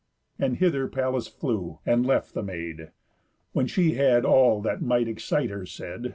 And hither Pallas flew, and left the maid, When she had all that might excite her said.